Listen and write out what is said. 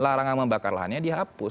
larangan membakar lahannya dihapus